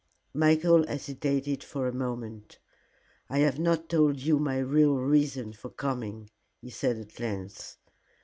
Michael hesitated for a moment. "I have not told you my real reason for coming," he said at length.